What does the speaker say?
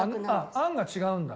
あんが違うんだ。